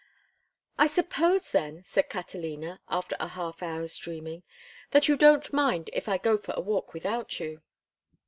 "I suppose, then," said Catalina, after a half hour's dreaming, "that you don't mind if I go for a walk without you?"